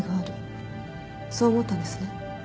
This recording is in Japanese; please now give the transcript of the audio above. そう思ったんですね？